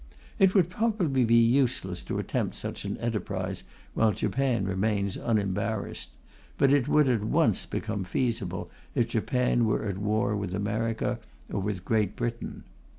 It would probably be useless to attempt such an enterprise while Japan remains unembarrassed, but it would at once become feasible if Japan were at war with America or with Great Britain.